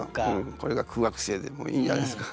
これが苦学生でいいんじゃないですか。